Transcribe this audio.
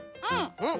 うん！